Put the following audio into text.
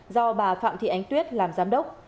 do bà phạm thị ánh tuyết làm giám đốc